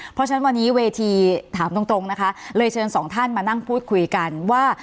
เพราะฉะนั้นวันนี้เวทีถามตรงนะคะเลยเชิญสองท่านมานั่งพูดคุยกันว่า